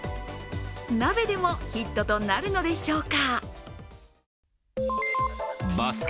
鍋でもヒットとなるのでしょうか。